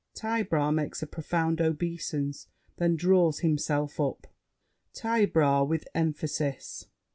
Taillebras makes a profound obeisance, then draws himself up. TAILLEBRAS (with emphasis).